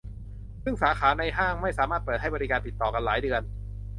ซึ่งสาขาในห้างไม่สามารถเปิดให้บริการติดต่อกันหลายเดือน